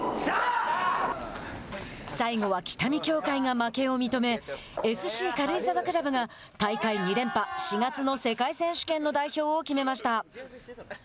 最後は北見協会が負けを認めＳＣ軽井沢クラブが大会２連覇４月の世界選手権の代表を決めました。